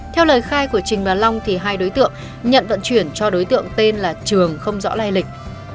theo lời khai của trình và long thì hai đối tượng nhận vận chuyển cho đối tượng tên là trường không rõ lai lịch